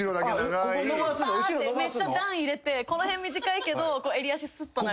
バーッてめっちゃ段入れてこの辺短いけど襟足スッと長い。